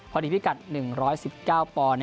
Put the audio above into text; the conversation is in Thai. พอดีภิกัด๑๑๙ปอล